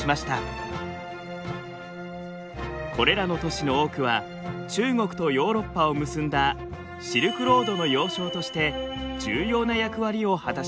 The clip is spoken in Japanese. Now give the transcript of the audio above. これらの都市の多くは中国とヨーロッパを結んだシルクロードの要衝として重要な役割を果たしました。